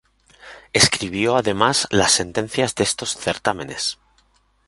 Escribió además las sentencias de estos certámenes.